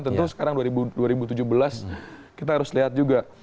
tentu sekarang dua ribu tujuh belas kita harus lihat juga